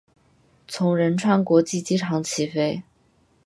从仁川国际机场起飞。